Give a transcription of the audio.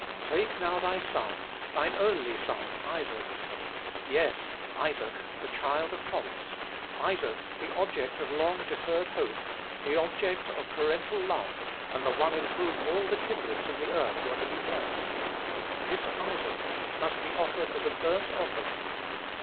"Take now thy son, thine only son, Isaac." Yes, Isaac, the child of promise; Isaac, the object of long deferred hope, the object of parental love, and the one in whom all the kindreds of the earth were to be blessed. This Isaac must be offered as a burnt offering.